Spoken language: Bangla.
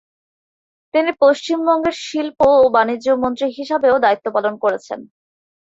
তিনি পশ্চিমবঙ্গের শিল্প ও বাণিজ্য মন্ত্রী হিসাবেও দায়িত্ব পালন করেছেন।